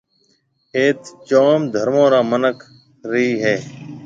ايٿ جام ڌرمون را منک رَي ھيََََ